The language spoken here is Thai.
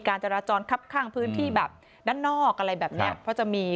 จราจรคับข้างพื้นที่แบบด้านนอกอะไรแบบเนี้ยเพราะจะมี